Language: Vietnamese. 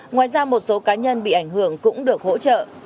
ngoài ra một số cá nhân bị ảnh hưởng cũng được hỗ trợ